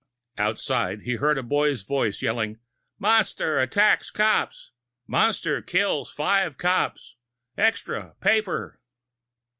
Outside, he heard a boy's voice yelling. "Monster attacks cops! Monster kills five cops! Extra Paper!"